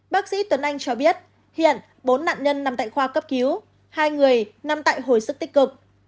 bác sĩ tuấn anh cho biết hiện bốn nạn nhân nằm tại khoa cấp cứu hai người nằm tại hồi sức tích cực